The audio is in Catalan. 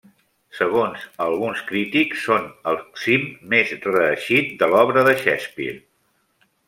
Segons alguns crítics, són el cim més reeixit de l'obra de Shakespeare.